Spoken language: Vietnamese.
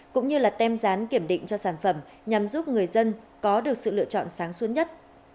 cũng như là tem gián kiểm định cho sản phẩm nhằm giúp người dân có được sự lựa chọn sáng suốt nhất